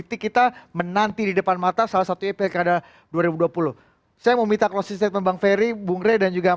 tetap di kupas utara